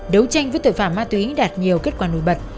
đấu tranh với tội phạm ma túy đạt nhiều kết quả nổi bật